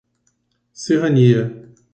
Serrania